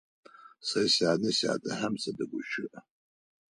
Сэ сянэ-сятэхэм садэгущыӏэ.